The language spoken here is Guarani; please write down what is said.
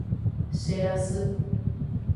Cherasy.